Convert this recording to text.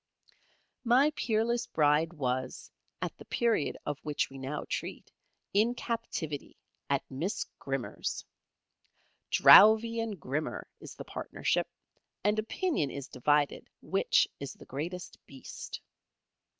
My peerless Bride was, at the period of which we now treat, in captivity at Miss Grimmer's. Drowvey and Grimmer is the partnership, and opinion is divided which is the greatest Beast.